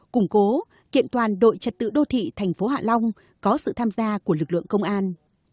củng cố kiện toàn đội trật tự đô thị thành phố hạ long có sự tham gia của lực lượng công an